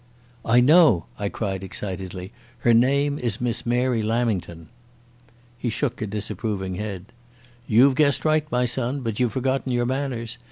"I know," I cried excitedly. "Her name is Miss Mary Lamington." He shook a disapproving head. "You've guessed right, my son, but you've forgotten your manners.